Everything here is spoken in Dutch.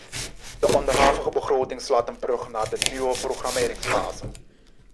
De onderhavige begroting slaat een brug naar de nieuwe programmeringsfase.